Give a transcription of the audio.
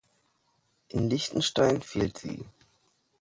In Liechtenstein fehlt sie.